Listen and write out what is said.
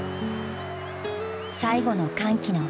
最後の歓喜の輪。